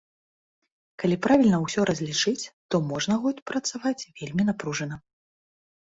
Калі правільна ўсё разлічыць, то можна год працаваць вельмі напружана.